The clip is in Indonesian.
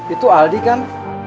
itu aldi kan